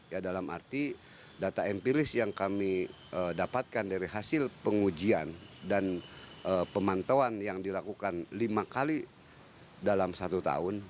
ya dalam arti data empiris yang kami dapatkan dari hasil pengujian dan pemantauan yang dilakukan lima kali dalam satu tahun